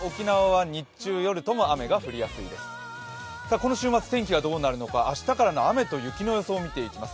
今週末、天気がどうなるのか明日からの雨と雪の予想を見ていきます。